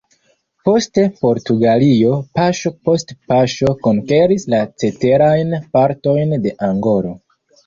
Poste Portugalio paŝo post paŝo konkeris la ceterajn partojn de Angolo.